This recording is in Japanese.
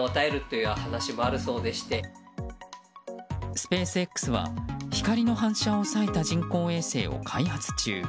スペースＸは光の反射を抑えた人工衛星を開発中。